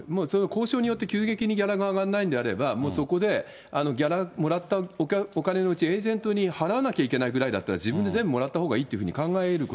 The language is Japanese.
交渉によって、急激にギャラが上がんないんであれば、もうそこで、ギャラもらったお金のうち、エージェントに払わなきゃいけないぐらいだったら、自分で全部もらったほうがいいっていうふうに考え